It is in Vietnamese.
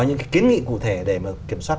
những kiến nghị cụ thể để kiểm soát